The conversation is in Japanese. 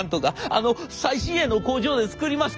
あの最新鋭の工場で作りますから！」。